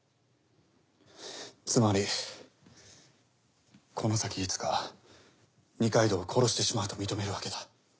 つまりこの先いつか二階堂を殺してしまうと認めるわけだ。